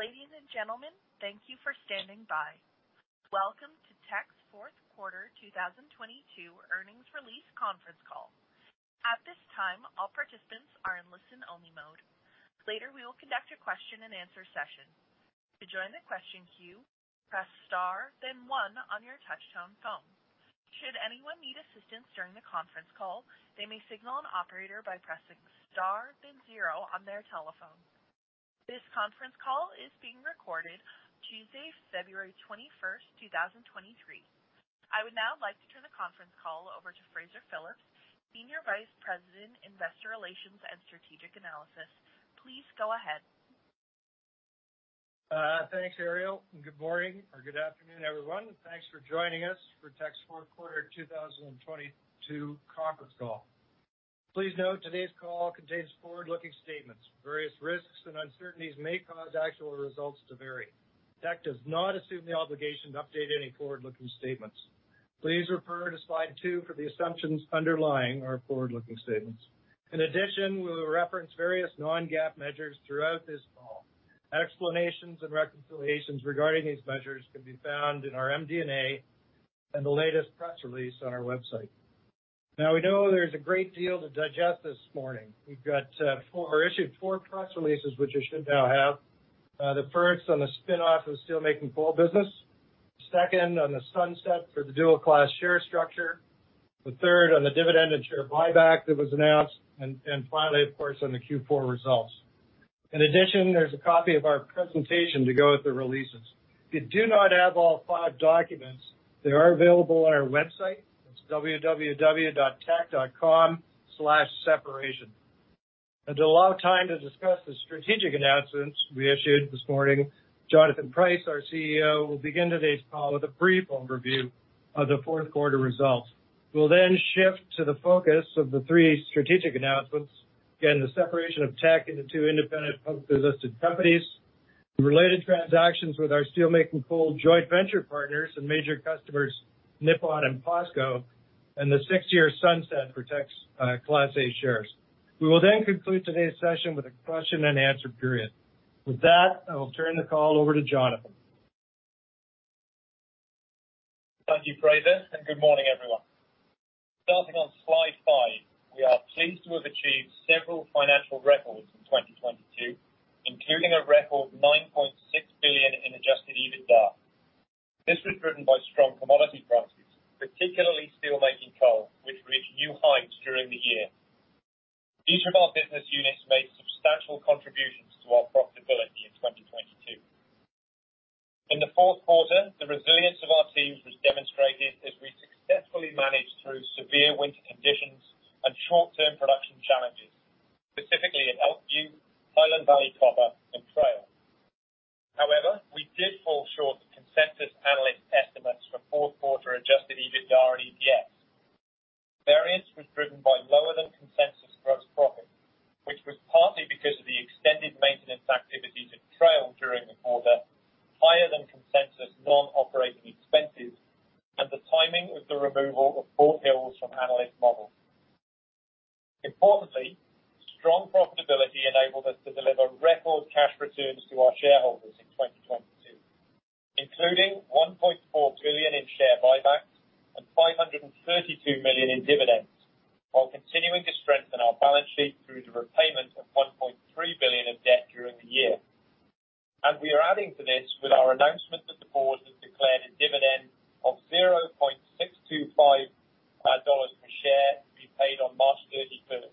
Ladies and gentlemen, thank you for standing by. Welcome to Teck's Q4 2022 earnings release conference call. At this time, all participants are in listen-only mode. Later, we will conduct a Q&A session. To join the question queue, press star then one on your touchtone phone. Should anyone need assistance during the conference call, they may signal an operator by pressing star then zero on their telephone. This conference call is being recorded Tuesday, February 21st, 2023. I would now like to turn the conference call over to Fraser Phillips, Senior Vice President, Investor Relations and Strategic Analysis. Please go ahead. Thanks, Ariel, good morning or good afternoon, everyone. Thanks for joining us for Teck's Q4 2022 conference call. Please note, today's call contains forward-looking statements. Various risks and uncertainties may cause actual results to vary. Teck does not assume the obligation to update any forward-looking statements. Please refer to slide two for the assumptions underlying our forward-looking statements. In addition, we will reference various non-GAAP measures throughout this call. Explanations and reconciliations regarding these measures can be found in our MD&A and the latest press release on our website. We know there's a great deal to digest this morning. We've got four press releases, which you should now have. The first on the spin-off of the steelmaking coal business. Second on the sunset for the dual-class share structure. The third on the dividend and share buyback that was announced. Finally, of course, on the Q4 results. In addition, there's a copy of our presentation to go with the releases. If you do not have all five documents, they are available on our website. It's www.teck.com/separation. To allow time to discuss the strategic announcements we issued this morning, Jonathan Price, our CEO, will begin today's call with a brief overview of the Q4 results. We'll shift to the focus of the three strategic announcements, again, the separation of Teck into two independent publicly listed companies, the related transactions with our steelmaking coal joint venture partners and major customers, Nippon and POSCO, and the six-year sunset for Teck's Class A shares. We will conclude today's session with a question-and-answer period. With that, I will turn the call over to Jonathan. Thank you, Fraser, and good morning, everyone. Starting on slide five, we are pleased to have achieved several financial records in 2022, including a record 9.6 billion in adjusted EBITDA. This was driven by strong commodity prices, particularly steelmaking coal, which reached new heights during the year. Each of our business units made substantial contributions to our profitability in 2022. In the Q4, the resilience of our teams was demonstrated as we successfully managed through severe winter conditions and short-term production challenges, specifically at Elkview, Highland Valley Copper, and Trail. However, we did fall short of consensus analyst estimates for Q4 adjusted EBITDA and EPS. Variance was driven by lower than consensus gross profit, which was partly because of the extended maintenance activities at Trail during the quarter, higher than consensus non-operating expenses, and the timing of the removal of Fort Hills from analyst models. Importantly, strong profitability enabled us to deliver record cash returns to our shareholders in 2022, including 1.4 billion in share buybacks and 532 million in dividends while continuing to strengthen our balance sheet through the repayment of 1.3 billion of debt during the year. We are adding to this with our announcement that the board has declared a dividend of 0.625 dollars per share to be paid on March 31st.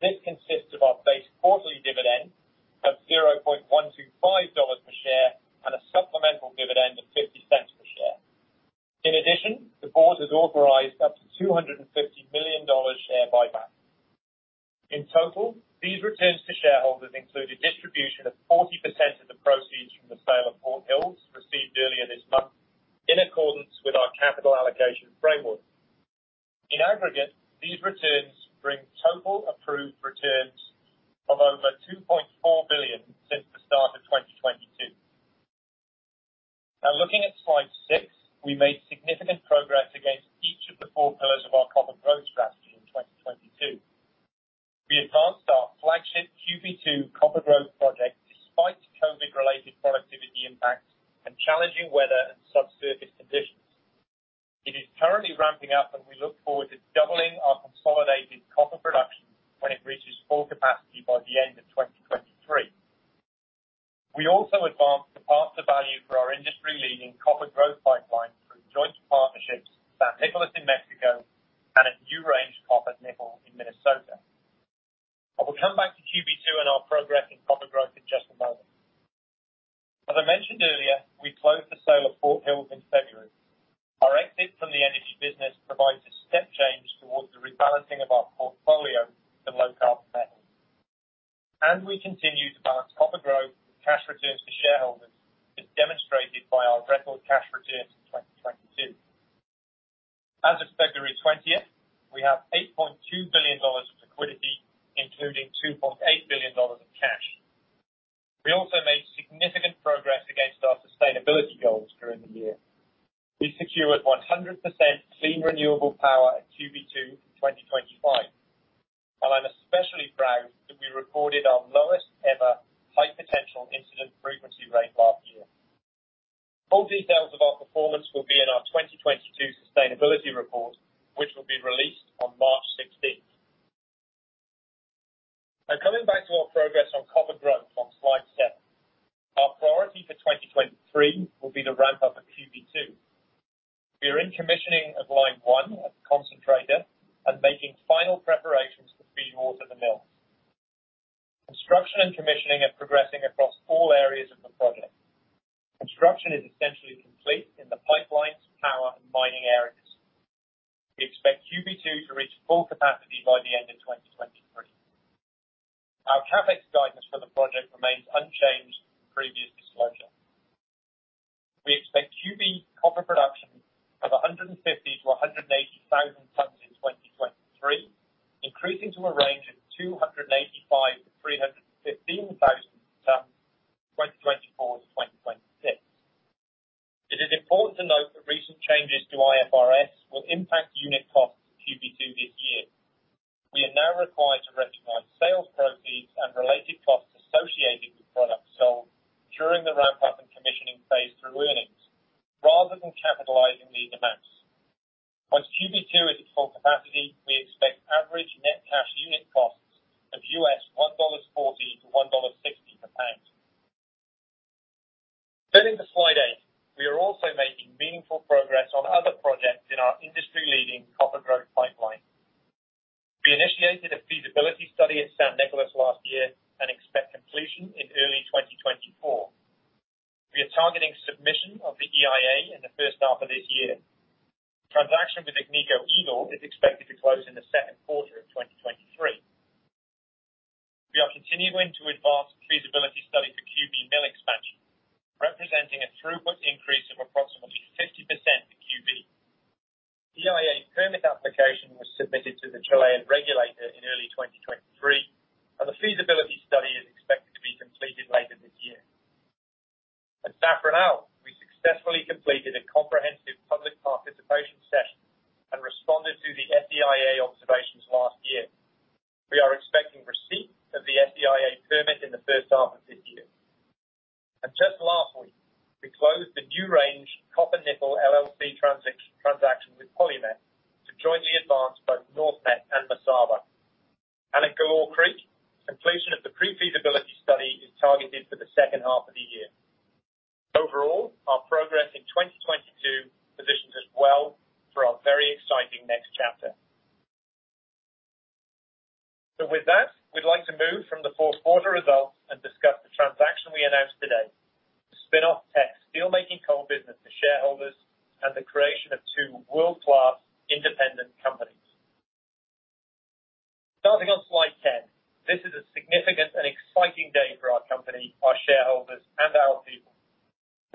This consists of our base quarterly dividend of 0.125 dollars per share and a supplemental dividend of 0.50 per share. The board has authorized up to 250 million dollars share buyback. These returns to shareholders include a distribution of 40% of the proceeds from the sale of Fort Hills received earlier this month in accordance with our capital allocation framework. These returns bring total approved returns of over 2.4 billion since the start of 2022. Looking at Slide six, we made significant progress against each of the four pillars of our copper growth strategy in 2022. We advanced our flagship QB2 copper growth project despite COVID-related productivity impacts and challenging weather and subsurface conditions. It is currently ramping up, and we look forward to doubling our consolidated copper production when it reaches full capacity by the end of 2023. We also advanced the partner value for our industry-leading copper growth pipeline through joint partnerships at San Nicolas in Mexico and at NewRange Copper Nickel in Minnesota. I will come back to QB2 and our progress in copper growth in just a moment. As I mentioned earlier, we closed the sale We initiated a feasibility study at San Nicolas last year and expect completion in early 2024. We are targeting submission of the EIA in the H1 of this year. Transaction with Agnico Eagle is expected to close in the Q2 of 2023. We are continuing to advance feasibility study for QB mill expansion, representing a throughput increase of approximately 50% to QB. EIA permit application was submitted to the Chilean regulator in early 2023, and the feasibility study is expected to be completed later this year. At Zafranal, we successfully completed a comprehensive public participation session and responded to the SEIA observations last year. We are expecting receipt of the SEIA permit in the H1 of this year. Just last week, we closed the NewRange Copper Nickel LLC transaction with PolyMet to jointly advance both NorthMet and Mesaba. At Galore Creek, completion of the pre-feasibility study is targeted for the H2 of the year. Overall, our progress in 2022 positions us well for our very exciting next chapter. With that, we'd like to move from the Q4 results and discuss the transaction we announced today. The spin-off Teck steelmaking coal business to shareholders and the creation of two world-class independent companies. Starting on slide 10. This is a significant and exciting day for our company, our shareholders, and our people,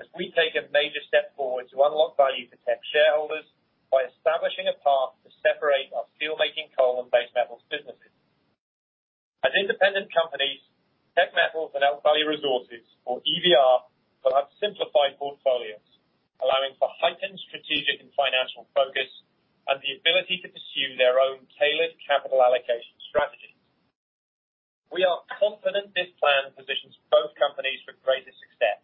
as we take a major step forward to unlock value for Teck shareholders by establishing a path to separate our steelmaking coal and base metals businesses. As independent companies, Teck Metals and Elk Valley Resources or EVR, will have simplified portfolios, allowing for heightened strategic and financial focus, and the ability to pursue their own tailored capital allocation strategies. We are confident this plan positions both companies for greater success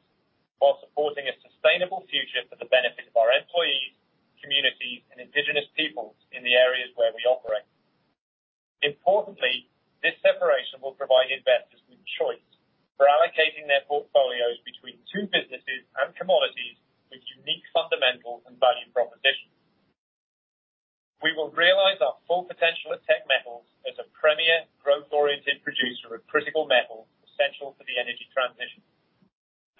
while supporting a sustainable future for the benefit of our employees, communities, and indigenous peoples in the areas where we operate. Importantly, this separation will provide investors with choice for allocating their portfolios between two businesses and commodities with unique fundamentals and value propositions. We will realize our full potential at Teck Metals as a premier growth-oriented producer of critical metals essential for the energy transition.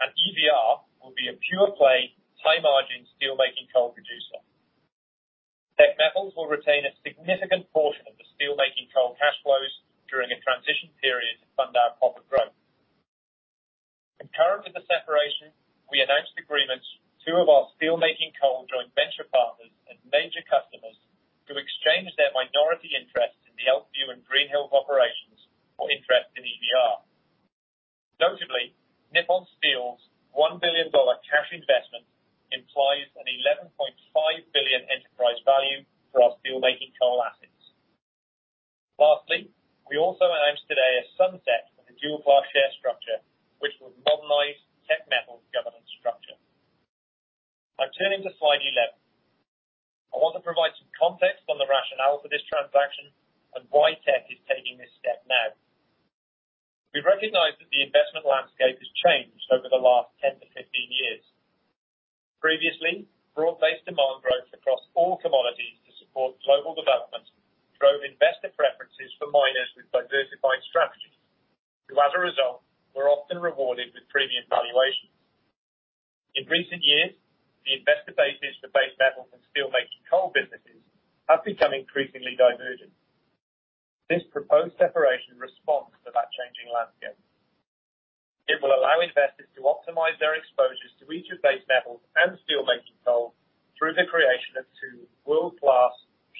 EVR will be a pure-play, high-margin steelmaking coal producer. Teck Metals will retain a significant portion of the steelmaking coal cash flows during a transition period to fund our copper growth. Concurrent with the separation, we announced agreements, two of our steelmaking coal joint venture partners and major customers to exchange their minority interest in the Elkview and Greenhills operations for interest in EVR. Notably, Nippon Steel's 1 billion dollar cash investment implies an 11.5 billion enterprise value for our steelmaking coal assets. Lastly, we also announced today a sunset of the dual-class share structure, which will modernize Teck Metals' governance structure. I turn into slide 11. I want to provide some context on the rationale for this transaction and why Teck is taking this step now. We recognize that the investment landscape has changed over the last 10 to 15 years. Previously, broad-based demand growth across all commodities to support global development drove investor preferences for miners with diversified strategies, who as a result, were often rewarded with premium valuations. In recent years, the investor basis for base metal and steelmaking coal businesses have become increasingly divergent. This proposed separation responds to that changing landscape. It will allow investors to optimize their exposures to each of base metals and steelmaking coal through the creation of two world-class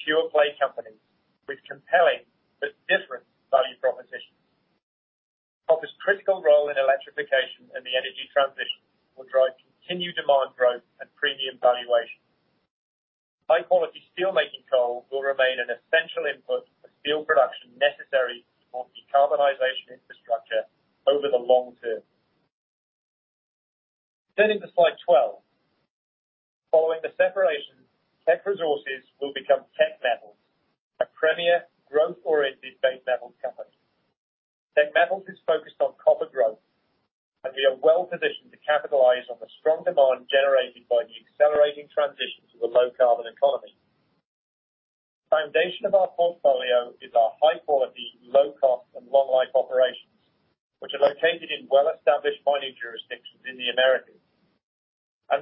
pure-play companies with compelling but different value propositions. Critical role in electrification and the energy transition will drive continued demand growth and premium valuation. High quality steelmaking coal will remain an essential input for steel production necessary to support decarbonization infrastructure over the long term. Into slide 12. Following the separation, Teck Resources will become Teck Metals, a premier growth-oriented base metal company. Teck Metals is focused on copper growth, and we are well-positioned to capitalize on the strong demand generated by the accelerating transition to a low-carbon economy. Foundation of our portfolio is our high quality, low cost and long life operations, which are located in well-established mining jurisdictions in the Americas.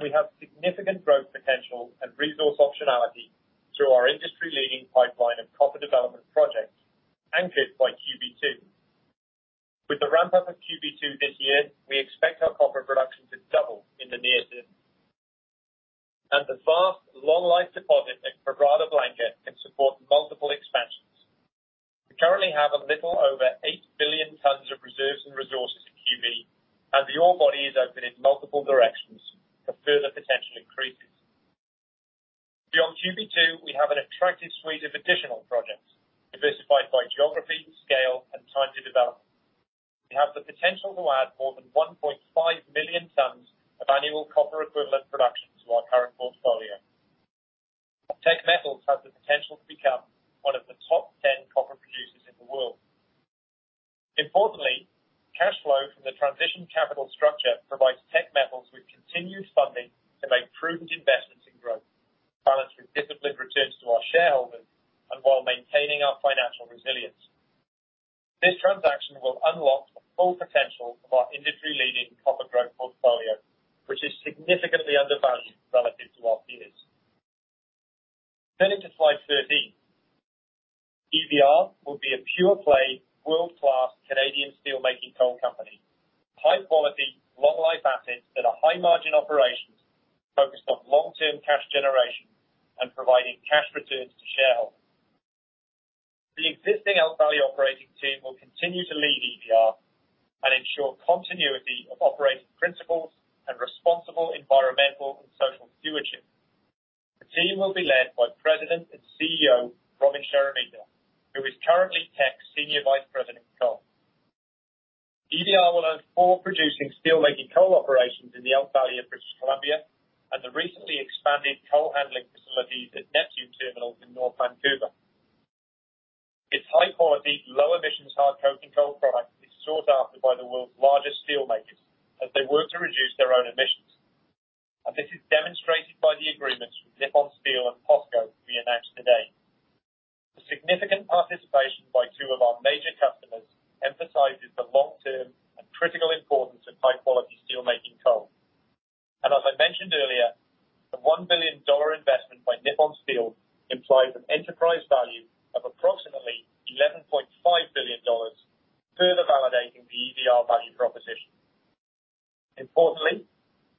We have significant growth potential and resource optionality through our industry-leading pipeline and copper development projects anchored by QB2. With the ramp-up of QB2 this year, we expect our copper production to double in the near term. The vast long life deposit at Quebrada Blanca can support multiple expansions. We currently have a little over 8 billion tons of reserves and resources at QB2, and the ore body is open in multiple directions for further potential increases. Beyond QB2, we have an attractive suite of additional projects diversified by geography, scale, and time to development. We have the potential to add more than 1.5 million tons of annual copper equivalent production to our current portfolio. Teck Metals has the potential to become one of the top 10 copper producers in the world. Cash flow from the transition capital structure provides Teck Metals with continued funding to make prudent investments in growth, balancing disciplined returns to our shareholders and while maintaining our financial resilience. This transaction will unlock the full potential of our industry-leading copper growth portfolio, which is significantly undervalued relative to our peers. Into slide 13. EVR will be a pure-play, world-class Canadian steelmaking coal company. High quality, long life assets that are high margin operations focused on long-term cash generation and providing cash returns to shareholders. The existing Elk Valley operating team will continue to lead EVR and ensure continuity of operating principles and responsible environmental and social stewardship. The team will be led by President and CEO Robin Sheremeta, who is currently Teck's Senior Vice President of Coal. CAD EVR will own four producing steelmaking coal operations in the Elk Valley of British Columbia and the recently expanded coal handling facilities at Neptune Terminals in North Vancouver. Its high quality, low emissions, hard coking coal product is sought after by the world's largest steelmakers as they work to reduce their own emissions. This is demonstrated by the agreements with Nippon Steel and POSCO we announced today. The significant participation by two of our major customers emphasizes the long-term and critical importance of high-quality steelmaking coal. As I mentioned earlier, the 1 billion dollar investment by Nippon Steel implies an enterprise value of approximately 11.5 billion dollars, further validating the EVR value proposition. Importantly,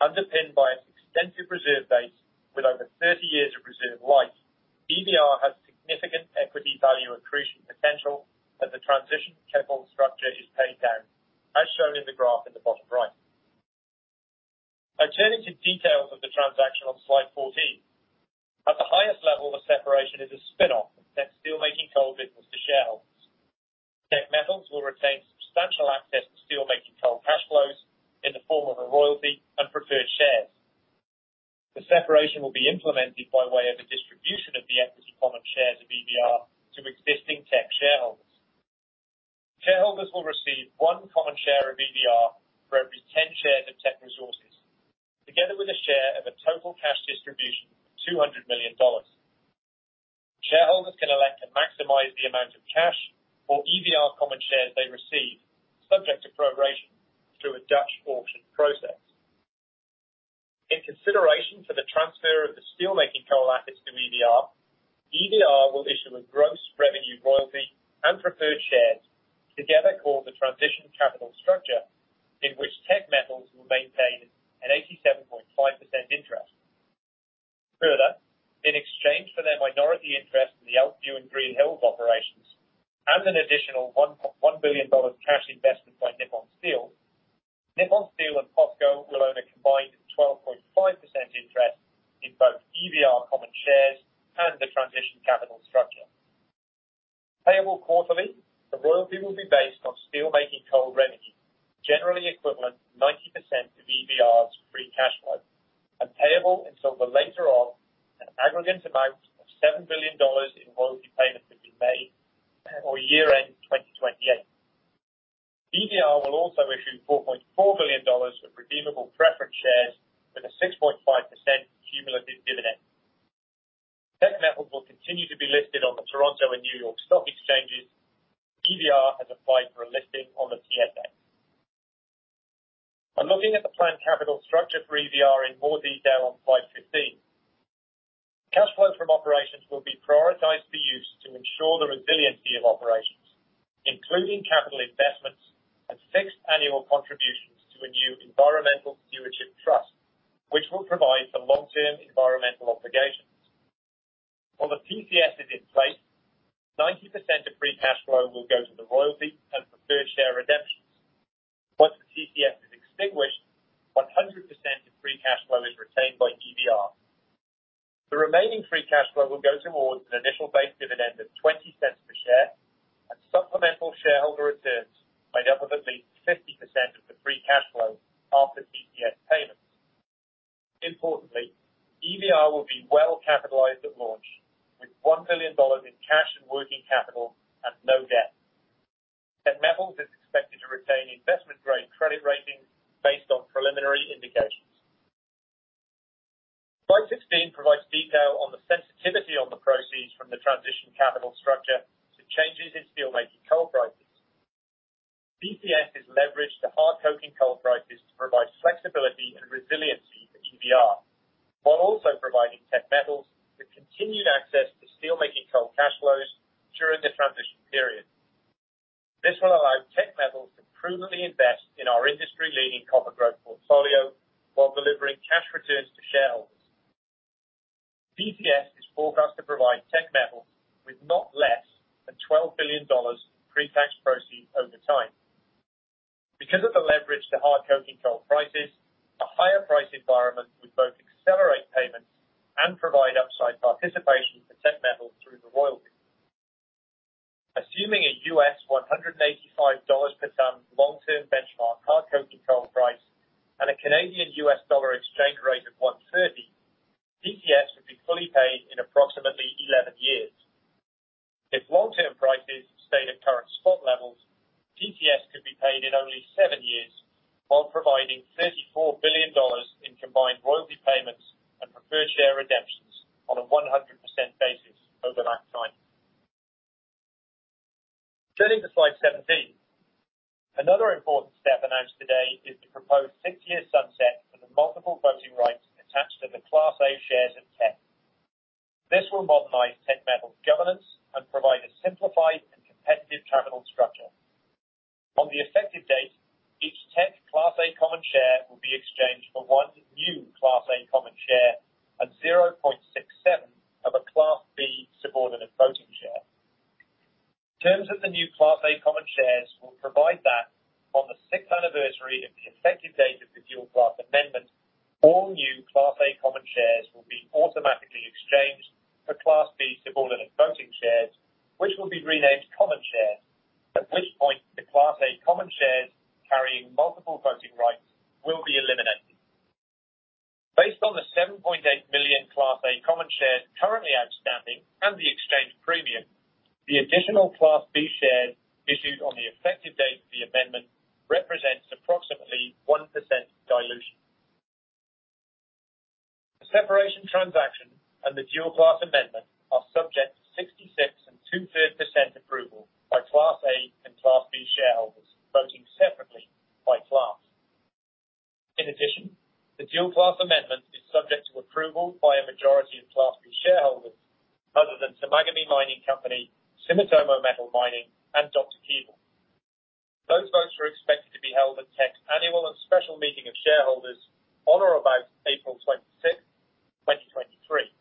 underpinned by its extensive reserve base with over 30 years of reserve life, EVR has significant equity value accretion potential as the transition capital structure is paid down, as shown in the graph in the bottom right. I turn into details of the transaction on slide 14. At the highest level, the separation is a spin-off of Teck's steelmaking coal business to shareholders. Teck Metals will retain substantial access to steelmaking coal cash flows in the form of a royalty and preferred shares. The separation will be implemented by way of a distribution of the equity common shares of EVR to existing Teck shareholders. Shareholders will receive one common share of EVR for every 10 shares of Teck Resources, together with a share of a total cash distribution of 200 million dollars. Shareholders can elect to maximize the amount of cash or EVR common shares they receive, subject to pro-ration through a Dutch auction process. In consideration for the transfer of the steelmaking coal assets to EVR will issue a gross revenue royalty and preferred shares together called the transition capital structure, in which Teck Metals will maintain an 87.5% interest. Further, in exchange for their minority interest in the Elkview and Greenhills operations and an additional 1.1 billion dollar cash investment by Nippon Steel, Nippon Steel and POSCO will own a combined 12.5% interest in both EVR common shares and the transition capital structure. Payable quarterly, the royalty will be based on steelmaking coal revenue, generally equivalent to 90% of EVR's free cash flow and payable until the later of an aggregate amount of 7 billion dollars in royalty payments have been made or year-end 2028. EVR will also issue 4.4 billion dollars of redeemable preference shares with a 6.5% cumulative dividend. Teck Metals will continue to be listed on the Toronto and New York Stock Exchanges. EVR has applied for a listing on the TSX. By looking at the planned capital structure for EVR in more detail on slide 15, cash flow from operations will be prioritized for use to ensure the resiliency of operations, including capital investments and fixed annual contributions. Term environmental obligations. While the TCS is in place, 90% of free cash flow will go to the royalty and preferred share redemptions. Once the TCS is extinguished, 100% of free cash flow is retained by EVR. The remaining free cash flow will go towards an initial base dividend of 0.20 per share and supplemental shareholder returns made up of at least 50% of the free cash flow after TCS payments. Importantly, EVR will be well-capitalized at launch, with 1 billion dollars in cash and working capital at no debt. Teck Metals is expected to retain investment-grade credit ratings based on preliminary indications. Slide 16 provides detail on the sensitivity of the proceeds from the transition capital structure to changes in steelmaking coal prices. TCS is leveraged to hard coking coal prices to provide flexibility and resiliency for EVR, while also providing Teck Metals with continued access to steelmaking coal cash flows during the transition period. This will allow Teck Metals to prudently invest in our industry-leading copper growth portfolio while delivering cash returns to shareholders. TCS is forecast to provide Teck Metals with not less than 12 billion dollars pre-tax proceeds over time. Because of the leverage to hard coking coal prices, a higher price environment would both accelerate payments and provide upside participation for Teck Metals through the royalty. Assuming a $185 per ton long-term benchmark hard coking coal price and a Canadian US dollar exchange rate of $1.30, TCS would be fully paid in approximately 11 years. If long-term prices stay at current spot levels, TCS could be paid in only seven years while providing 34 billion dollars in combined royalty payments and preferred share redemptions on a 100% basis over that time. Turning to slide 17. Another important step announced today is the proposed six-year sunset for the multiple voting rights attached to the Class A shares of Teck. This will modernize Teck Metals' governance and provide a simplified and competitive terminal structure. On the effective date, each Teck Class A common share will be exchanged for one new Class A common share at 0.67 of a Class B subordinate voting share. Terms of the new Class A common shares will provide that on the sixth anniversary of the effective date of the dual-class amendment, all new Class A common shares will be automatically exchanged for Class B subordinate voting shares, which will be renamed common shares. At which point, the Class A common shares carrying multiple voting rights will be eliminated. Based on the 7.8 million Class A common shares currently outstanding and the exchange premium, the additional Class B shares issued on the effective date of the amendment represents approximately 1% dilution. The separation transaction and the dual class amendment are subject to 66 and 2/3% approval by Class A and Class B shareholders, voting separately by class. The dual class amendment is subject to approval by a majority of Class B shareholders other than Temagami Mining Company, Sumitomo Metal Mining, and Dr. Keevil. Those votes are expected to be held at Teck's annual and special meeting of shareholders on or about April 26th, 2023.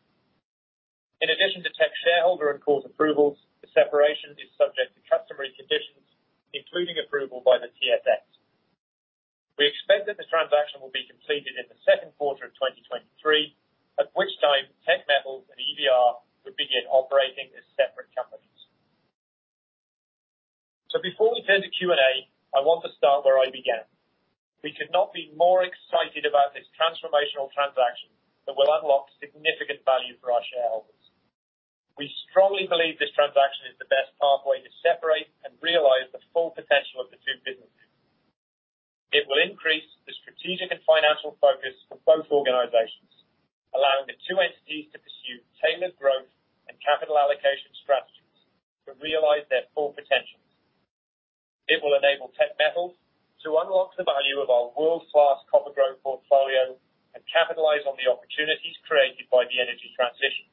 To Teck shareholder and court approvals, the separation is subject to customary conditions, including approval by the TSX. We expect that the transaction will be completed in the 2nd quarter of 2023, at which time Teck Metals and EVR would begin operating as separate companies. Before we turn to Q&A, I want to start where I began. We could not be more excited about this transformational transaction that will unlock significant value for our shareholders. We strongly believe this transaction is the best pathway to separate and realize the full potential of the two businesses. It will increase the strategic and financial focus for both organizations, allowing the two entities to pursue tailored growth and capital allocation strategies to realize their full potential. It will enable Teck Metals to unlock the value of our world-class copper growth portfolio and capitalize on the opportunities created by the energy transition,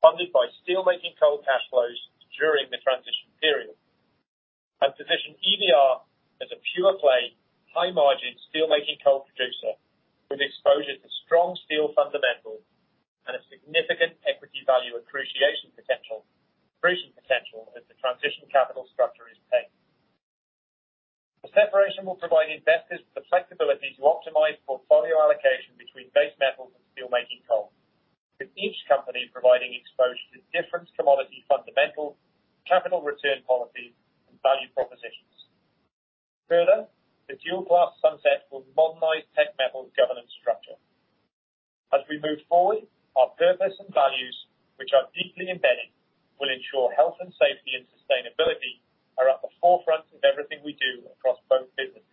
funded by steelmaking coal cash flows during the transition period, and position EVR as a pure-play, high-margin steelmaking coal producer with exposure to strong steel fundamentals and a significant equity value appreciation potential as the transition capital structure is paid. The separation will provide investors with the flexibility to optimize portfolio allocation between base metals and steelmaking coal, with each company providing exposure to different commodity fundamentals, capital return policies, and value propositions. The dual-class sunset will modernize Teck Metal's governance structure. As we move forward, our purpose and values, which are deeply embedded, will ensure health and safety and sustainability are at the forefront of everything we do across both businesses.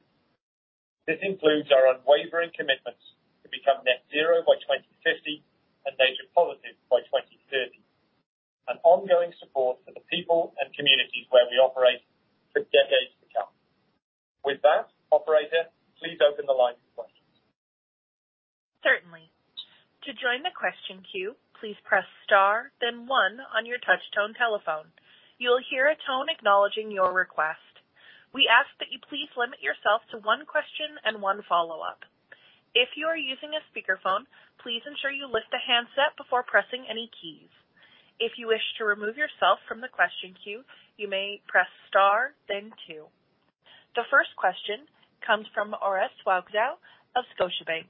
This includes our unwavering commitments to become net zero by 2050 and nature positive by 2030, and ongoing support to the people and communities where we operate for decades to come. With that, operator, please open the line for questions. Certainly. To join the question queue, please press star then one on your touch tone telephone. You'll hear a tone acknowledging your request. We ask that you please limit yourself to one question and one follow-up. If you are using a speakerphone, please ensure you lift the handset before pressing any keys. If you wish to remove yourself from the question queue, you may press star then two. The first question comes from Orest Wowkodaw of Scotiabank.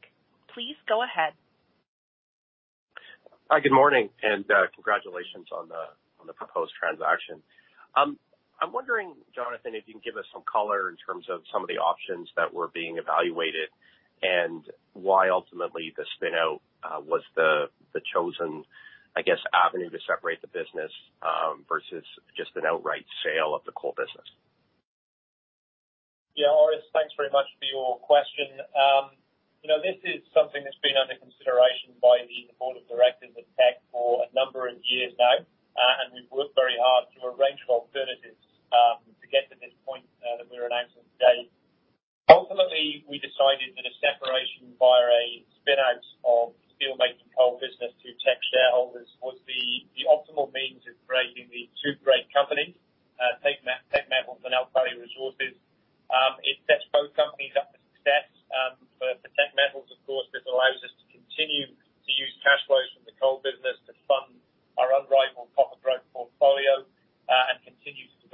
Please go ahead. Hi, good morning, congratulations on the proposed transaction. I'm wondering, Jonathan, if you can give us some color in terms of some of the options that were being evaluated and why ultimately the spin-out was the chosen, I guess, avenue to separate the business versus just an outright sale of the coal business? Orest, thanks very much for your question. You know, this is something that's been under consideration by the board of directors at Teck for a number of years now, and we've worked very hard through a range of alternatives to get to this point that we're announcing today. Ultimately, we decided that a separation via a spin-out of steelmaking coal business to Teck shareholders was the optimal means of creating the two great companies, Teck Metals and Elk Valley Resources. It sets both companies up for success. For Teck Metals, of course, this allows us to continue to use cash flows from the coal business to fund our unrivaled copper growth portfolio, and continue to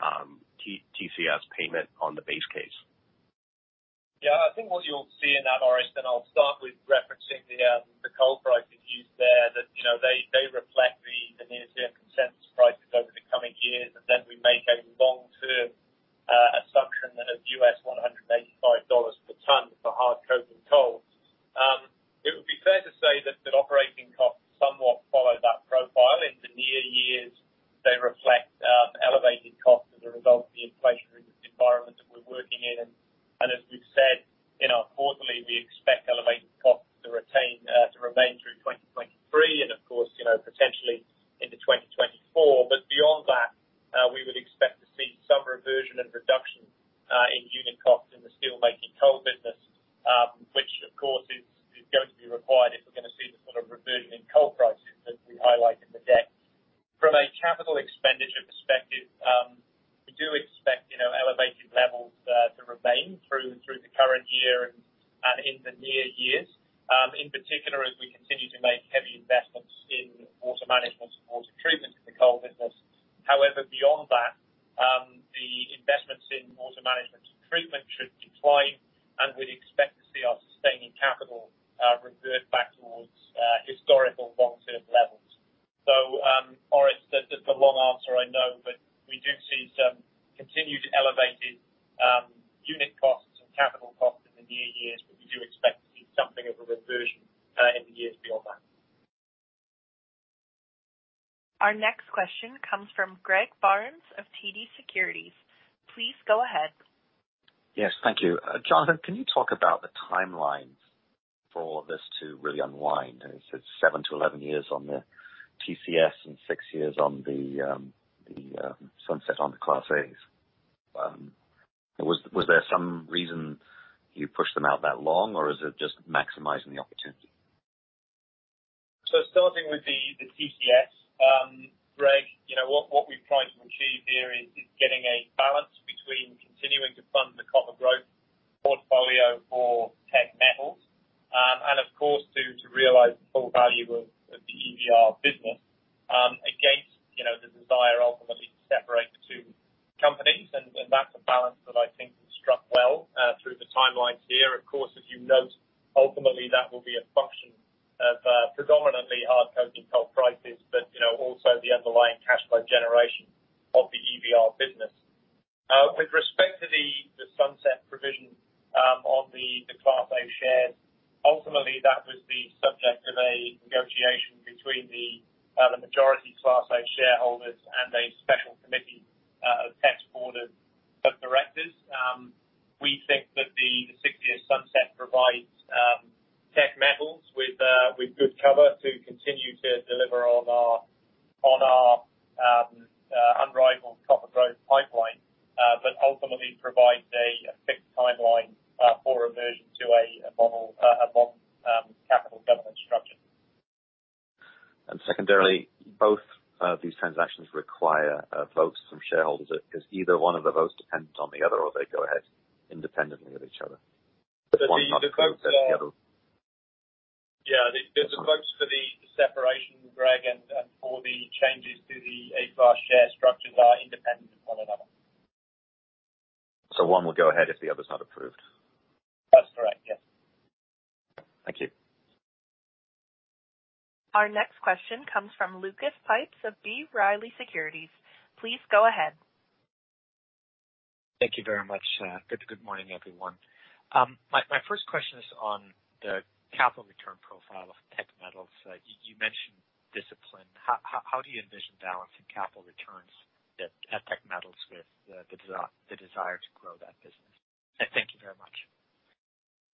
TCS payment on the base case. I think what you'll see in that, Orest, and I'll start with referencing the coal prices used there that, you know, they reflect the near-term consensus prices over the coming years, and then we make a long-term assumption then of $185 per ton for hard coking coal. It would be fair to say that the operating costs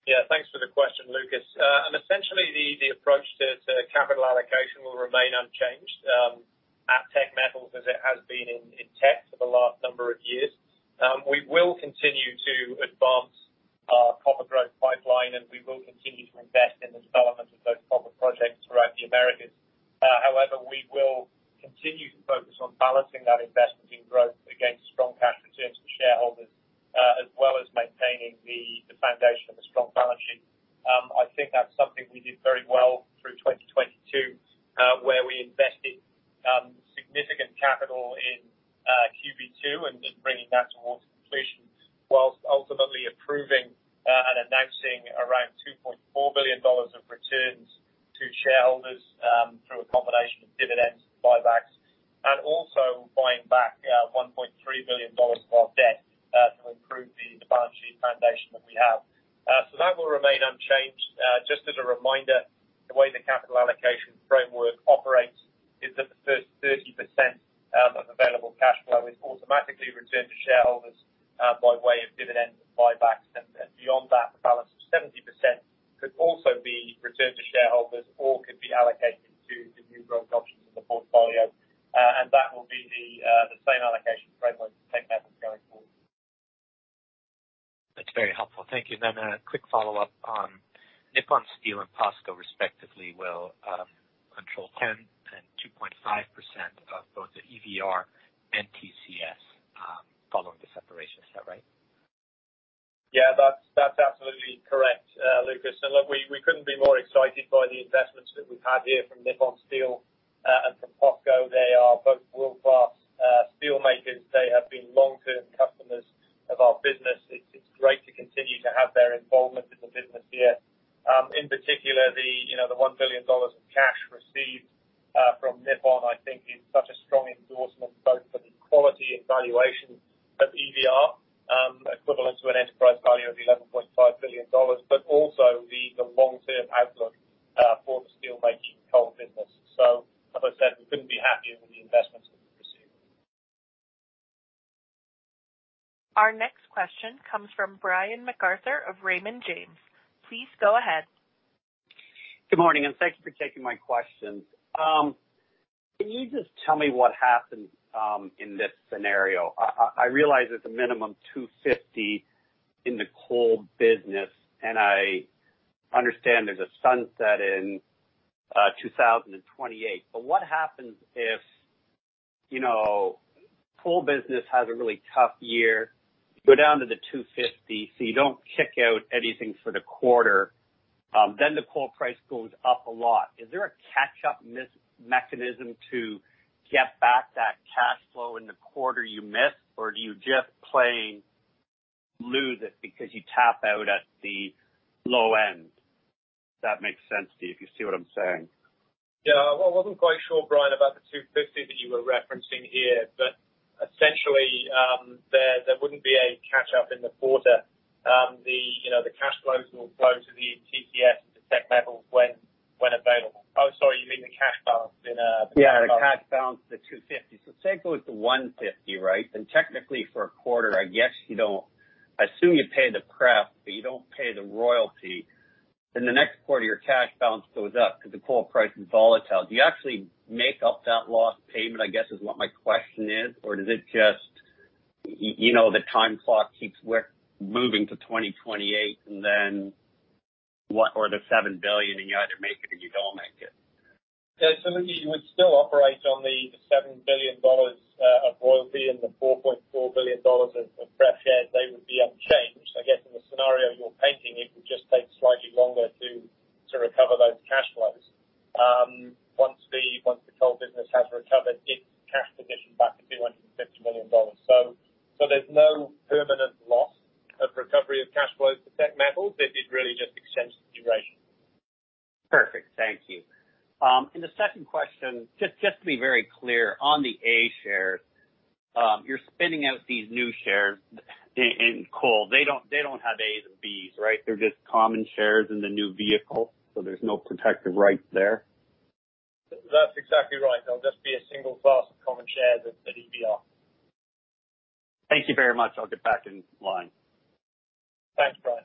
Yeah. Thanks for the question, Lucas. Essentially the approach to capital allocation will remain unchanged at Teck Metals as it has been in Teck for the last number of years. We will continue to advance our copper growth pipeline. We will continue to invest in the development of those copper projects throughout the Americas. However, we will continue to focus on balancing that investment in growth against strong cash returns to shareholders, as well as maintaining the foundation of a strong balance sheet. I think that's something we did very well through 2022, where we invested significant capital in QB2 and bringing that towards completion, whilst ultimately approving and announcing around 2.4 billion dollars of returns to shareholders, through a combination of dividends, buybacks, and also buying back 1.3 billion dollars of our debt, to improve the balance sheet foundation that we have. So that will remain unchanged. Just as a reminder, the way the capital allocation framework operates is that the first 30% of available cash flow is automatically returned to shareholders, by way of dividends and buybacks. Beyond that, the balance of 70% could also be returned to shareholders or could be allocated to the new growth options in the portfolio. That will be the same allocation framework for Teck Metals going forward. know, the CAD 1 billion of cash received from Nippon, I think is such a strong endorsement both for the quality and valuation of EVR, equivalent to an enterprise value of CAD 11.5 billion, but also the long-term outlook for the steelmaking coal business. As I said, we couldn't be happier with the investments that we've received. Our next question comes from Brian MacArthur of Raymond James. Please go ahead. Good morning, thank you for taking my questions. Can you just tell me what happened in this scenario? I realize there's a minimum CAD 250 in the coal business. I understand there's a sunset in 2028. What happens if, you know, coal business has a really tough year, go down to the 250, so you don't kick out anything for the quarter, then the coal price goes up a lot? Is there a catch-up mechanism to get back that cash flow in the quarter you missed? Do you just plain lose it because you tap out at the low end? That makes sense to you, if you see what I'm saying. Well, I wasn't quite sure, Brian, about the 250 that you were referencing here, but essentially, there wouldn't be a catch-up in the quarter. The, you know, the cash flows will flow to the TCS and to Teck Metals when available. Sorry, you mean the cash balance in? Yeah, the cash balance, the 250. Say it goes to 150, right? Technically for a quarter, I guess you don't. I assume you pay the pref, but you don't pay the royalty. The next quarter, your cash balance goes up 'cause the coal price is volatile. Do you actually make up that lost payment, I guess, is what my question is, or does it just, you know, the time clock keeps moving to 2028 and then or the 7 billion, and you either make it or you don't make it? Yeah. Look, you would still operate on the 7 billion dollars of royalty and the 4.4 billion dollars of pref shares, they would be unchanged. I guess in the scenario you're painting, it would just take slightly longer to recover those cash flows, once the coal business has recovered its cash position back to 250 million dollars. There's no permanent loss of recovery of cash flows to Teck Metals. It really just extends the duration. Perfect. Thank you. The second question, just to be very clear on the A shares, you're spinning out these new shares in coal. They don't have A's and B's, right? They're just common shares in the new vehicle, so there's no protective right there. That's exactly right. They'll just be a single class of common shares at EVR. Thank you very much. I'll get back in line. Thanks, Brian.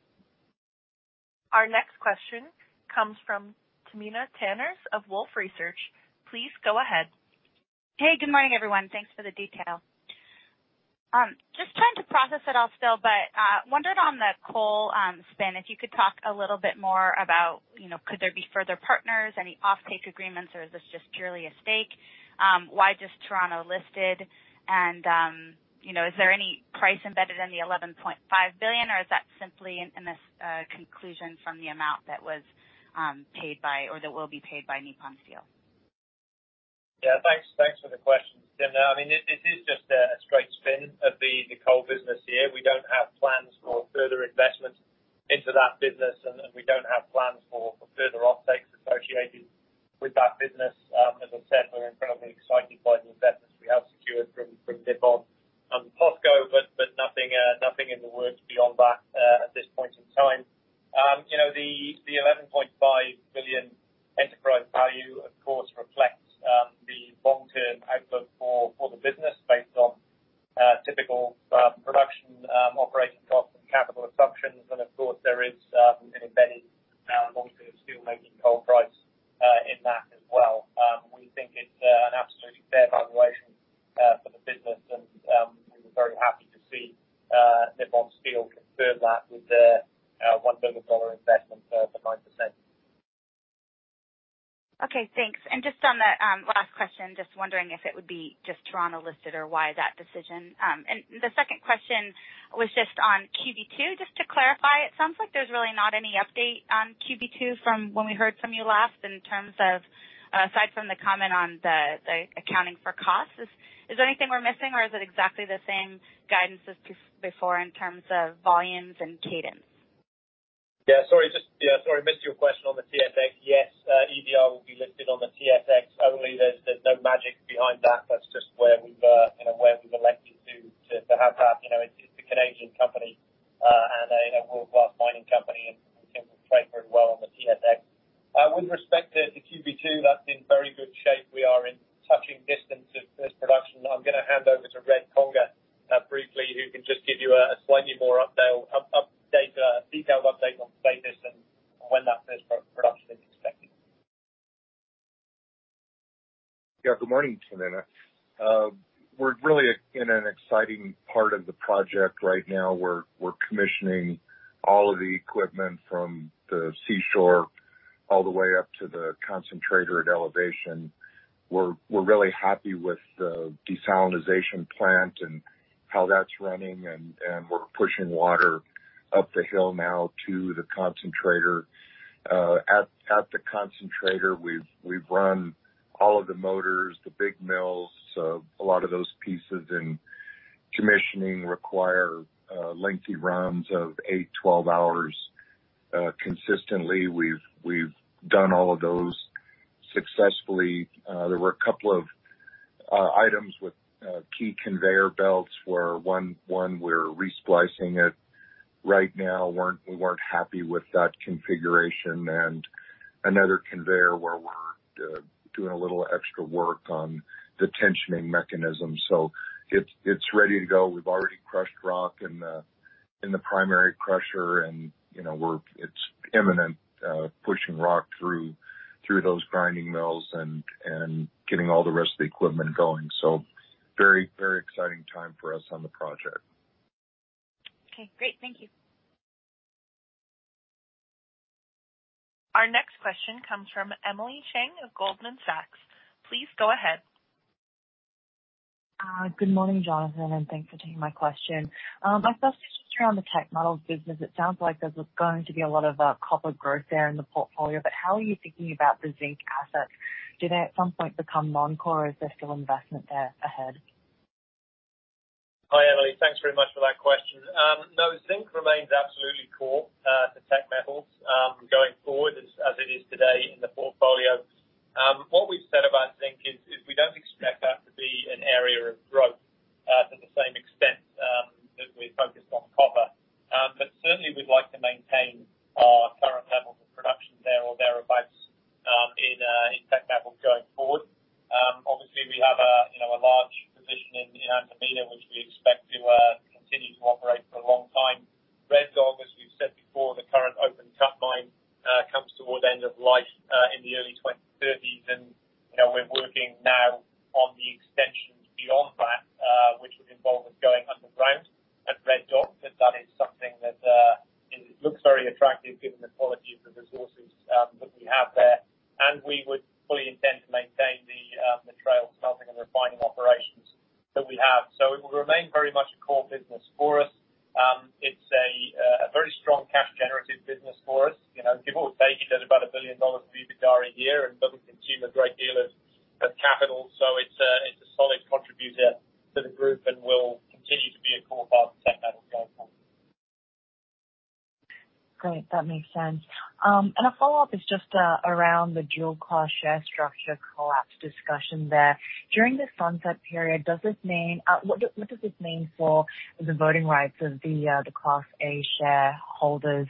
Our next question comes from Timna Tanners of Wolfe Research. Please go ahead. Hey, good morning, everyone. Thanks for the detail. Just trying to process it all still, but, wondered on the coal, spin, if you could talk a little bit more about, you know, could there be further partners, any offtake agreements, or is this just purely a stake? Why just Toronto listed? You know, is there any price embedded in the 11.5 billion, or is that simply in this conclusion from the amount that was paid by or that will be paid by Nippon Steel? Yeah. Thanks. Thanks for the question, Timna. I mean, this is just a straight spin of the coal business here. We don't have plans for further investment into that business, and we don't have plans for further offtakes associated with that business. As I said, we're incredibly excited by the investment we have secured from Nippon and POSCO, but nothing in the works beyond that at this point in time. You know, the 11.5 billion enterprise value, of course, reflects the long-term outlook for the business based on typical production, operating costs and capital assumptions. Of course, there is an embedded long period of steelmaking coal price in that as well. We think it's an absolutely fair valuation for the business. We were very happy to see Nippon Steel confirm that with their 1 billion dollar investment for 9%. Okay, thanks. Just on the last question, just wondering if it would be just Toronto listed or why that decision? The second question was just on QB2, just to clarify, it sounds like there's really not any update on QB2 from when we heard from you last in terms of aside from the comment on the accounting for costs. Is there anything we're missing or is it exactly the same guidance as before in terms of volumes and cadence? Yeah, sorry, I missed your question on the TSX. Yes, EVR will be listed on the TSX only. There's no magic behind that. That's just where we, you know, where we've elected to have that. You know, it's a Canadian company and a world-class mining company, and we think we'll trade very well on the TSX. With respect to QB2, that's in very good shape. We are in touching distance of first production. I'm gonna hand over to Red Conger briefly, who can just give you a slightly more update or detailed update on the status and when that first production is expected. Yeah. Good morning, Timna. We're really in an exciting part of the project right now. We're commissioning all of the equipment from the seashore all the way up to the concentrator at elevation. We're really happy with the desalination plant and how that's running, and we're pushing water up the hill now to the concentrator. At the concentrator, we've run all of the motors, the big mills, so a lot of those pieces and commissioning require lengthy runs of eight, 12 hours. Consistently, we've done all of those successfully. There were a couple of items with key conveyor belts where one, we're resplicing it right now. We weren't happy with that configuration. Another conveyor where we're doing a little extra work on the tensioning mechanism. It's ready to go. We've already crushed rock in the primary crusher and, you know, It's imminent, pushing rock through those grinding mills and getting all the rest of the equipment going. Very exciting time for us on the project. Okay, great. Thank you. Our next question comes from Emily Chieng of Goldman Sachs. Please go ahead. Good morning, Jonathan, and thanks for taking my question. My first is just around the Teck Metals business. It sounds like there's going to be a lot of copper growth there in the portfolio, but how are you thinking about the zinc assets? Do they at some point become non-core, or is there still investment there ahead? Hi, Emily. Thanks very much for that question. No, zinc remains absolutely core to Teck Metals going forward as it is today in the portfolio. What we've said about zinc is we don't expect that to be an area of growth to the same extent as we're focused on copper. Certainly we'd like to maintain our current levels of production there or thereabouts in Teck Metals going forward. Obviously, we have a, you know, large position in Antamina, which we expect to continue to operate for a long time. Red Dog, as we've said before, the current open pit mine comes toward end of life in the early 2030s. You know, we're working now on the extensions beyond that, which would involve us going underground at Red Dog. That is something that, it looks very attractive given the quality of the resources, that we have there. We would fully intend to maintain the Trail smelting and refining operations that we have. It will remain very much a core business for us. It's a very strong cash generative business for us. You know, people would take it at about 1 billion dollars of EBITDA a year, and doesn't consume a great deal of capital. It's a solid contributor to the group and will continue to be a core part of Teck Metals going forward. Great. That makes sense. A follow-up is just around the dual-class share structure collapse discussion there. During this sunset period, does this mean what does this mean for the voting rights of the Class A shareholders?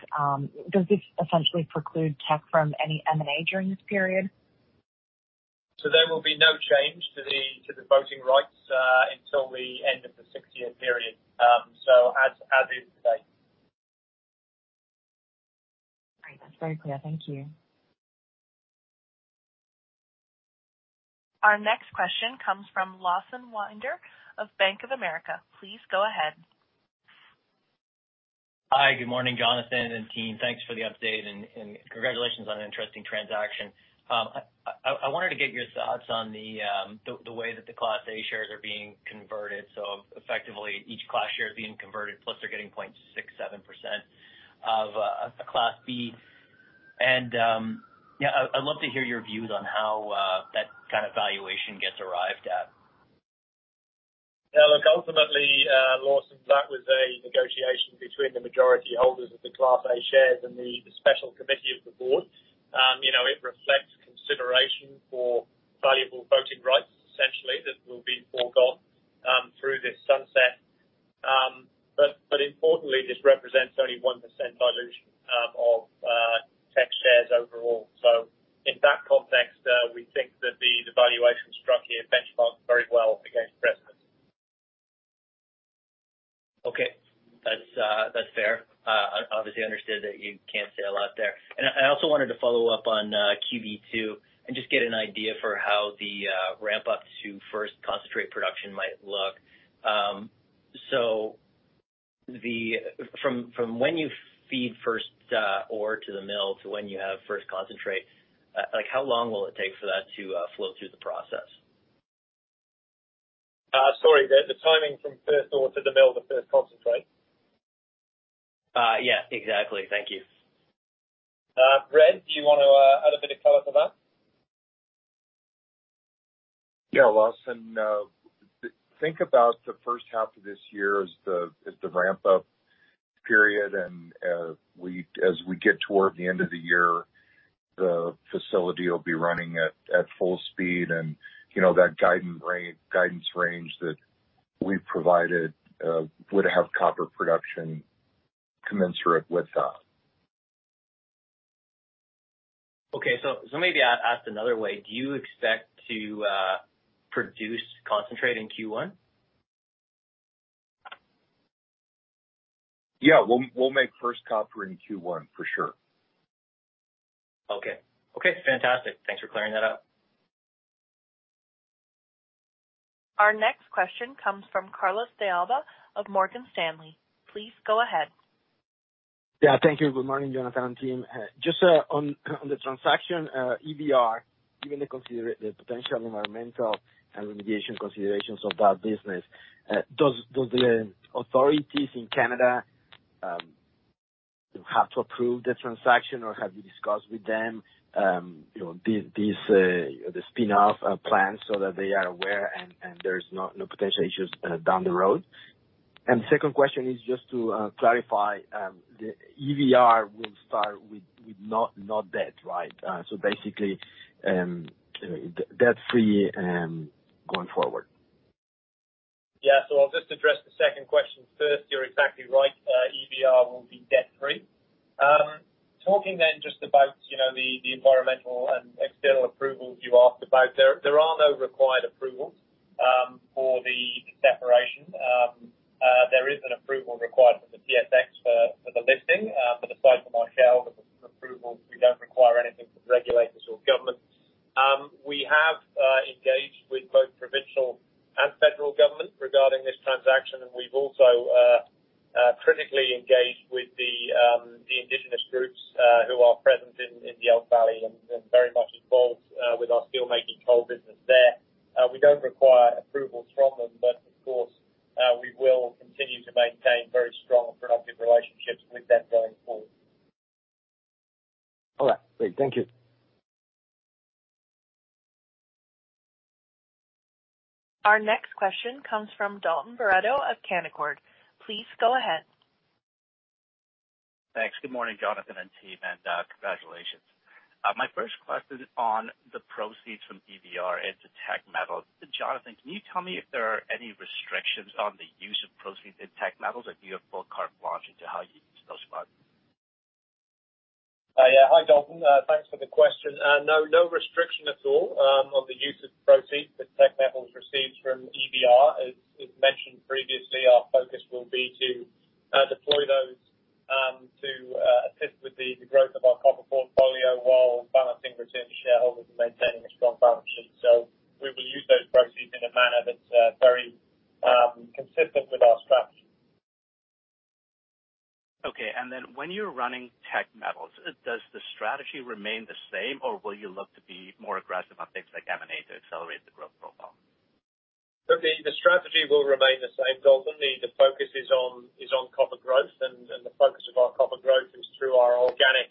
Does this essentially preclude Teck from any M&A during this period? There will be no change to the voting rights until the end of the six-year period. As is today. Great. That's very clear. Thank you. Our next question comes from Lawson Winder of Bank of America. Please go ahead. Hi. Good morning, Jonathan and team. Thanks for the update and congratulations on an interesting transaction. I wanted to get your thoughts on the way that the Class A shares are being converted. Effectively, each class share is being converted, plus they're getting 0.67% of a Class B. Yeah, I'd love to hear your views on how that kind of valuation gets arrived at. Look, ultimately, Lawson, that was a negotiation between the majority holders of the Class A shares and the special committee of the board. You know, it reflects consideration for valuable voting rights, essentially, that will be foregone through this sunset. But importantly, this represents only 1% dilution of Teck shares overall. In that context, we think that the valuation struck here benchmarks very well against precedents. Okay. That's fair. I obviously understood that you can't say a lot there. I also wanted to follow up on QB2 and just get an idea for how the ramp-up to first concentrate production might look. From when you feed first ore to the mill to when you have first concentrate, like, how long will it take for that to flow through the process? sorry. The timing from first ore to the mill to first concentrate? Yeah, exactly. Thank you. Brad, do you wanna add a bit of color to that? Yeah, Lawson, think about the H1 of this year as the, as the ramp-up period, and, as we get toward the end of the year, the facility will be running at full speed. You know, that guidance range that we provided, would have copper production commensurate with that. Maybe I'll ask another way. Do you expect to produce concentrate in Q1? Yeah. We'll make first copper in Q1 for sure. Okay. Okay, fantastic. Thanks for clearing that up. Our next question comes from Carlos de Alba of Morgan Stanley. Please go ahead. Yeah, thank you. Good morning, Jonathan and team. Just on the transaction, EVR, given the potential environmental and remediation considerations of that business, does the authorities in Canada have to approve the transaction, or have you discussed with them, you know, these the spin-off plans so that they are aware and there's no potential issues down the road? Second question is just to clarify, the EVR will start with no debt, right? So basically, debt-free, going forward. Yeah. I'll just address the second question first. You're exactly right. EVR will be debt-free. Talking just about, you know, the environmental and external approvals you asked about. There are no required approvals for the separation. There is an approval required from the TSX for the listing. Aside from our shareholdings approval, we don't require anything from regulators or government. We have engaged with both provincial and federal government regarding this transaction, and we've also critically engaged with the indigenous groups who are present in the Elk Valley and very much involved with our steel making coal business there. We don't require approvals from them, of course, we will continue to maintain very strong and productive relationships with them going forward. All right. Great. Thank you. Our next question comes from Dalton Baretto of Canaccord. Please go ahead. Thanks. Good morning, Jonathan and team, and congratulations. My first question is on the proceeds from EVR into Teck Metals. Jonathan, can you tell me if there are any restrictions on the use of proceeds in Teck Metals or do you have full carte blanche into how you use those funds? Yeah, hi, Dalton. Thanks for the question. No restriction at all on the use of proceeds that Teck Metals receives from EVR. As mentioned previously, our focus will be to deploy those to assist with the growth of our copper portfolio while balancing returns to shareholders and maintaining a strong balance sheet. We will use those proceeds in a manner that's very consistent with our strategy. Okay. Then when you're running Teck Metals, does the strategy remain the same, or will you look to be more aggressive on things like M&A to accelerate the growth profile? Look, the strategy will remain the same, Dalton. The focus is on copper growth. The focus of our copper growth is through our organic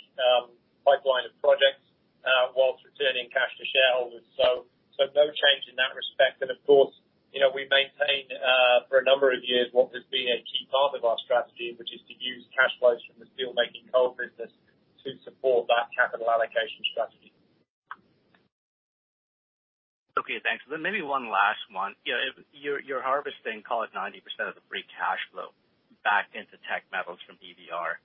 pipeline of projects whilst returning cash to shareholders. No change in that respect. Of course, you know, we've maintained for a number of years what has been a key part of our strategy, which is to use cash flows from the steelmaking coal business to support that capital allocation strategy. Okay, thanks. Maybe one last one. You know, if you're harvesting, call it 90% of the free cash flow. Back into Teck Metals from EVR.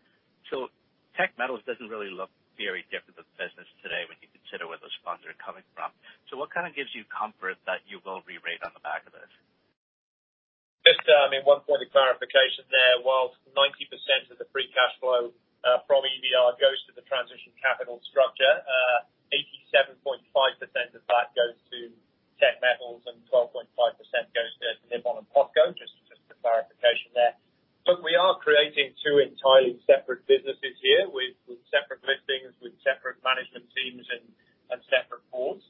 Teck Metals doesn't really look very different as a business today when you consider where those funds are coming from. What kind of gives you comfort that you will rerate on the back of this? I mean, one point of clarification there. While 90% of the free cash flow from EVR goes to the transition capital structure, 87.5% of that goes to Teck Metals and 12.5% goes to Nippon and POSCO, just for clarification there. We are creating two entirely separate businesses here with separate listings, with separate management teams and separate boards.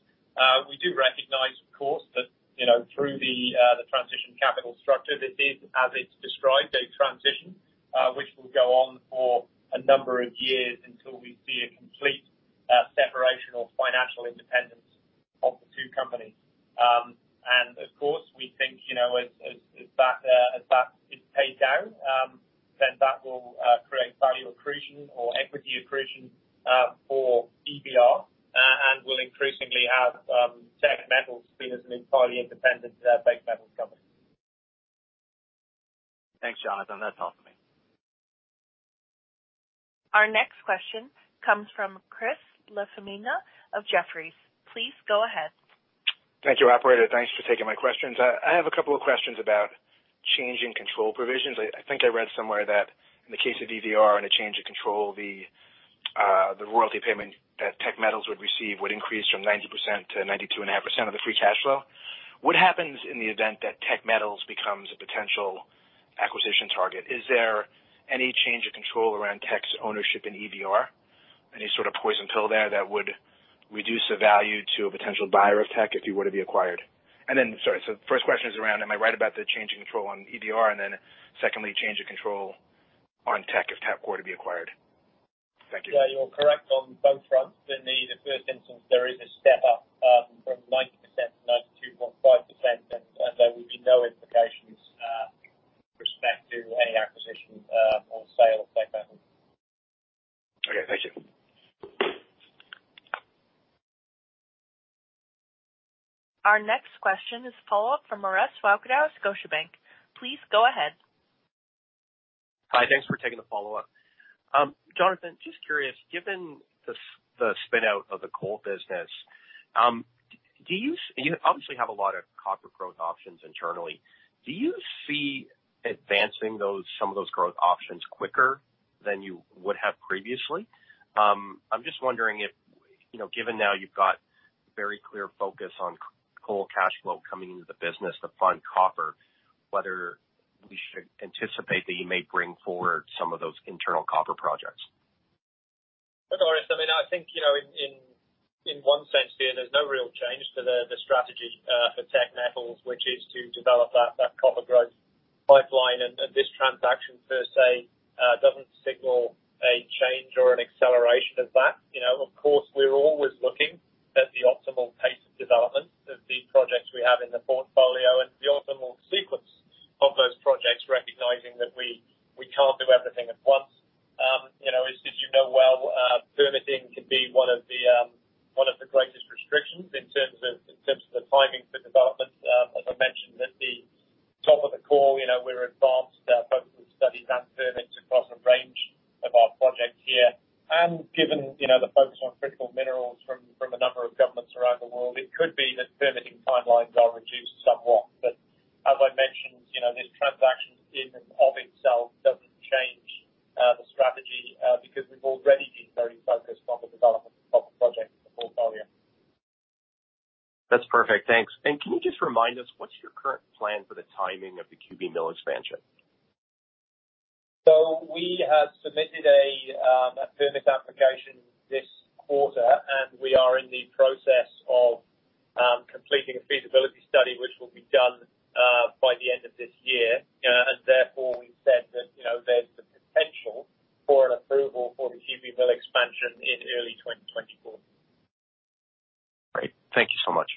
We do recognize, of course, that, you know, through the transition capital structure, this is, as it's described, a transition, which will go on for a number of years until we see a complete separation or financial independence of the two companies. Of course, we think, you know, as that is paid down, then that will create value accretion or equity accretion, for EVR, and will increasingly have, Teck Metals being as an entirely independent, base metals company. Thanks, Jonathan. That's all for me. Our next question comes from Christopher LaFemina of Jefferies. Please go ahead. Thank you, operator. Thanks for taking my questions. I have a couple of questions about changing control provisions. I think I read somewhere that in the case of EVR and a change of control, the royalty payment that Teck Metals would receive would increase from 90%-92.5% of the free cash flow. What happens in the event that Teck Metals becomes a potential acquisition target? Is there any change of control around Teck's ownership in EVR? Any sort of poison pill there that would reduce the value to a potential buyer of Teck if you were to be acquired? Sorry. The first question is around, am I right about the change in control on EVR? Secondly, change of control on Teck if Teck were to be acquired. Thank you. You're correct on both fronts. In the first instance, there is a step up from 90%-92.5%, and there would be no implications with respect to any acquisition or sale of Teck Metals. Okay. Thank you. Our next question is a follow-up from Orest Wowkodaw of Scotiabank. Please go ahead. Hi. Thanks for taking the follow-up. Jonathan, just curious, given the the spin-out of the coal business, do you obviously have a lot of copper growth options internally. Do you see advancing those, some of those growth options quicker than you would have previously? I'm just wondering if, you know, given now you've got very clear focus on coal cash flow coming into the business to fund copper, whether we should anticipate that you may bring forward some of those internal copper projects? Look, Orest, I mean, I think, you know, in one sense here, there's no real change to the strategy for Teck Metals, which is to develop that copper growth pipeline. This transaction per se doesn't signal a change or an acceleration of that. You know, of course, we're always looking at the optimal pace of development of the projects we have in the portfolio and the optimal sequence of those projects, recognizing that we can't do everything at once. You know, as you know well, permitting can be one of the greatest restrictions in terms of the timing for development. As I mentioned at the top of the call, you know, we're advanced our focus and study that permits across a range of our projects here. Given, you know, the focus on critical minerals from a number of governments around the world, it could be that permitting timelines are reduced somewhat. As I mentioned, you know, this transaction in and of itself doesn't change the strategy because we've already been very focused on the development of the project portfolio. That's perfect. Thanks. Can you just remind us what's your current plan for the timing of the QB Mill Expansion? We have submitted a permit application this quarter, and we are in the process of completing a feasibility study, which will be done by the end of this year. Therefore, we've said that, you know, there's the potential for an approval for the QB mill expansion in early 2024. Great. Thank you so much.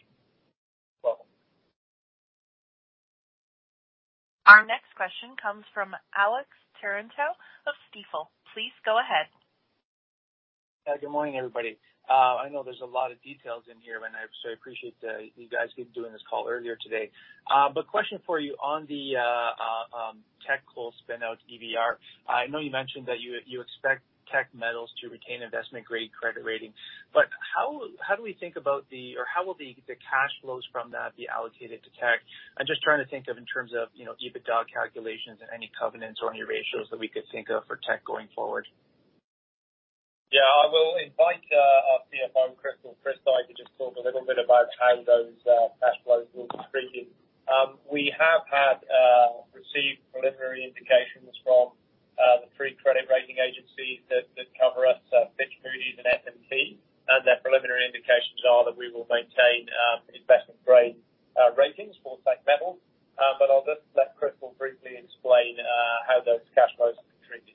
Welcome. Our next question comes from Alex Terentiew of Stifel. Please go ahead. Yeah, good morning, everybody. I know there's a lot of details in here, and I so appreciate that you guys did do in this call earlier today. Question for you on the Teck coal spin out EVR. I know you mentioned that you expect Teck Metals to retain investment-grade credit rating, how do we think about or how will the cash flows from that be allocated to Teck? I'm just trying to think of in terms of, you know, EBITDA calculations and any covenants on your ratios that we could think of for Teck going forward. Yeah. I will invite our CFO, Crystal Prystai, to just talk a little bit about how those cash flows will be treated. We have had received preliminary indications from the three credit rating agencies that cover us, Fitch, Moody's and S&P. Their preliminary indications are that we will maintain investment-grade ratings for Teck Metals. I'll just let Crystal briefly explain how those cash flows are treated.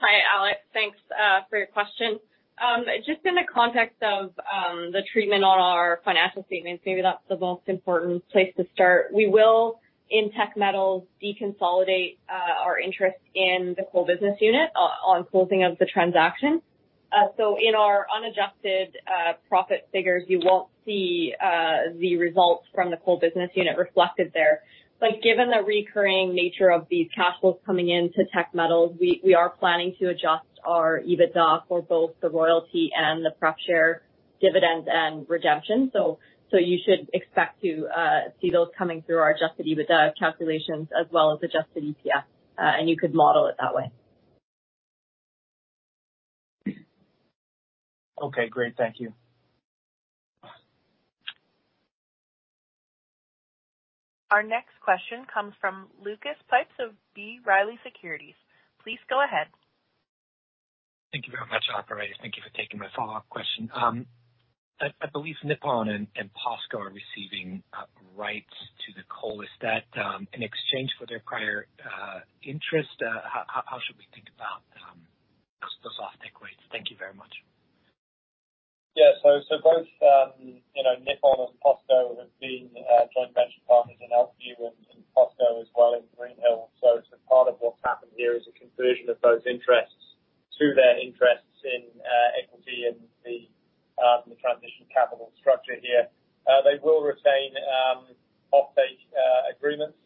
Hi, Alex. Thanks for your question. Just in the context of the treatment on our financial statements, maybe that's the most important place to start. We will, in Teck Metals, deconsolidate our interest in the coal business unit on closing of the transaction. In our unadjusted profit figures, you won't see the results from the coal business unit reflected there. Given the recurring nature of these cash flows coming into Teck Metals, we are planning to adjust our EBITDA for both the royalty and the prop share dividends and redemption. You should expect to see those coming through our adjusted EBITDA calculations as well as adjusted ETF, and you could model it that way. Okay, great. Thank you. Our next question comes from Lucas Pipes of B. Riley Securities. Please go ahead. Thank you very much, Operator. Thank you for taking my follow-up question. I believe Nippon and POSCO are receiving rights to the coal. Is that in exchange for their prior interest? How should we think about those off-take rates? Thank you very much. Yeah. Both, you know, Nippon and POSCO have been joint venture partners in Elkview and POSCO as well in Greenhills. It's a part of what's happened here is a conversion of those interests to their interests in equity in the transition capital structure here. They will retain off-take agreements,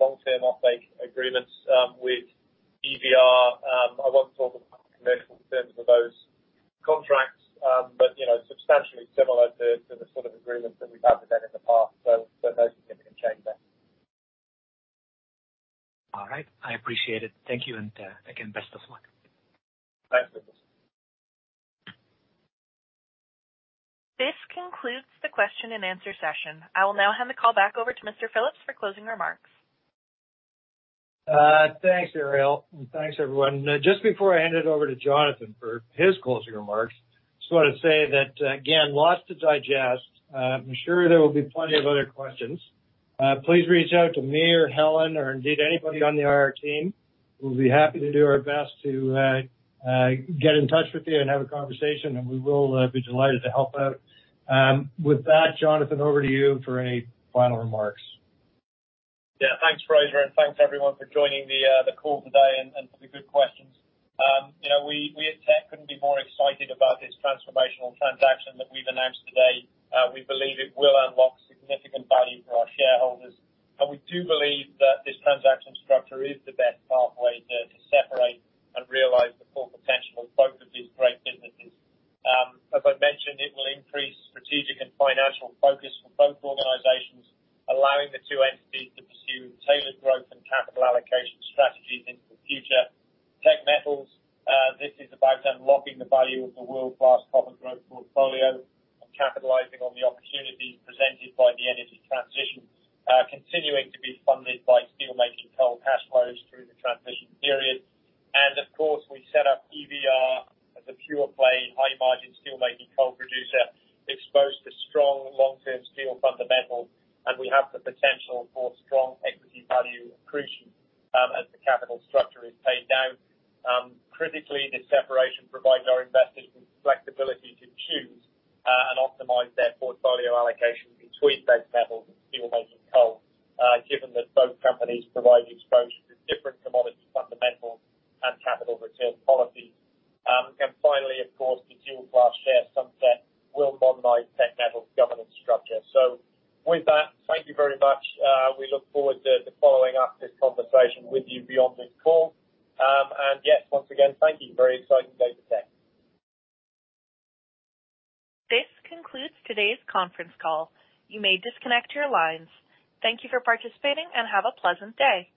long-term off-take agreements with EVR. I won't talk about commercial terms of those contracts, but, you know, substantially similar to the sort of agreements that we've had with them in the past. No significant change there. All right. I appreciate it. Thank you. Again, best of luck. Thanks, Lucas. This concludes the question and answer session. I will now hand the call back over to Mr. Phillips for closing remarks. Thanks, Ariel. Thanks, everyone. Just before I hand it over to Jonathan for his closing remarks, just wanna say that again, lots to digest. I'm sure there will be plenty of other questions. Please reach out to me or Helen or indeed anybody on the IR team. We'll be happy to do our best to get in touch with you and have a conversation, and we will be delighted to help out. With that, Jonathan, over to you for any final remarks. Yeah. Thanks, Fraser, and thanks everyone for joining the call today and for the good questions. You know, we at Teck couldn't be more excited about this transformational transaction that we've announced today. We believe it will unlock significant value for our shareholders. We do believe that this transaction structure is the best pathway to separate and realize the full potential of both of these great businesses. As I mentioned, it will increase strategic and financial focus for both organizations, allowing the two entities to pursue tailored growth and capital allocation strategies into the future. Teck Metals, this is about unlocking the value of a world-class copper growth portfolio and capitalizing on the opportunities presented by the energy transition, continuing to be funded by steelmaking coal cash flows through the transition period. Of course, we set up EVR as a pure play, high-margin steelmaking coal producer exposed to strong long-term steel fundamentals, and we have the potential for strong equity value accretion, as the capital structure is paid down. Critically, this separation provides our investors with flexibility to choose and optimize their portfolio allocation between Teck Metals and steelmaking coal, given that both companies provide exposure to different commodity fundamentals and capital return policies. Finally, of course, the dual-class share structure will modernize Teck Metals' governance structure. With that, thank you very much. We look forward to following up this conversation with you beyond this call. Yes, once again, thank you. Very exciting day for Teck. This concludes today's conference call. You may disconnect your lines. Thank you for participating and have a pleasant day.